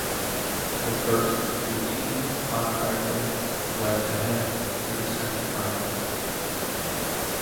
The first two teams automatically went ahead to the semi finals.